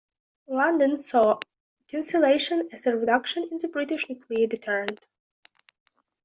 London saw cancellation as a reduction in the British nuclear deterrent.